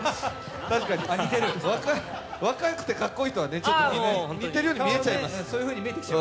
若くてかっこいい人は似てるように見えちゃいますね。